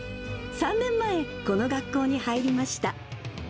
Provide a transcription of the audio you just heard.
３年前、この学校に入りました。